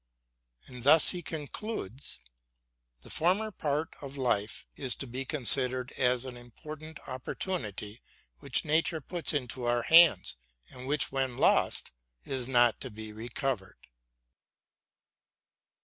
And thus he concludes : The former part of life is to be considered as an important oppor tunitj which Nature puts into our hands, and which when lost i BROWNING AND BUTLER 209 not to be recovered.